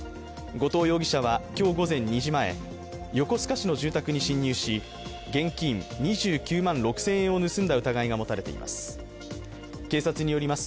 後藤容疑者は今日午前２時前横須賀市の住宅に侵入し、現金２９万６０００円を盗んだ疑いが持たれています。